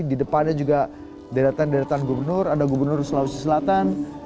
di depannya juga deretan deretan gubernur ada gubernur sulawesi selatan